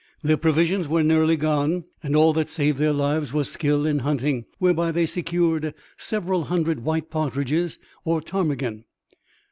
Their provisions were nearly gone and all that saved their lives was skill in hunting whereby they secured several hundred white partridges, or ptarmigan.